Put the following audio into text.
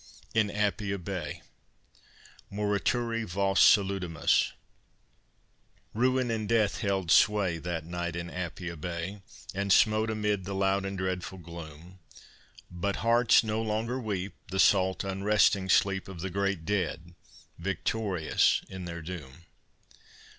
IN APIA BAY (Morituri vos salutamus) Ruin and death held sway That night in Apia Bay, And smote amid the loud and dreadful gloom. But, Hearts, no longer weep The salt unresting sleep Of the great dead, victorious in their doom.